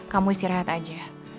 kamu istirahat aja